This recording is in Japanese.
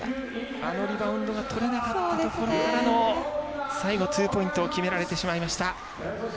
あのリバウンドがとれなかったところからの最後、ツーポイントを決められてしまいました。